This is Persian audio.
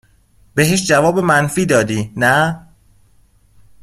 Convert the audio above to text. بهش جواب منفی دادی نه؟